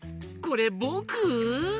これぼく？